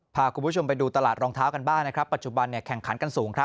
พาคุณผู้ชมไปดูตลาดรองเท้ากันบ้างนะครับปัจจุบันแข่งขันกันสูงครับ